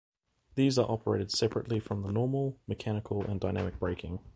These are operated separately from the normal mechanical and dynamic braking.